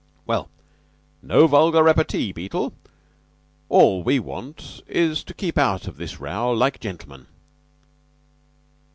"Well, no vulgar repartee, Beetle. All we want is to keep out of this row like gentlemen."